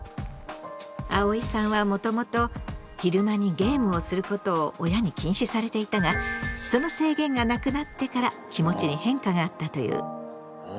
あおいさんはもともと昼間にゲームをすることを親に禁止されていたがその制限がなくなってから気持ちに変化があったという。